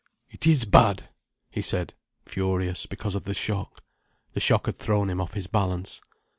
"It is bad," he said furious because of the shock. The shock had thrown him off his balance.